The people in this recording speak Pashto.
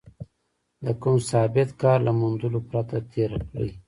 د کوم ثابت کار له موندلو پرته تېره کړې.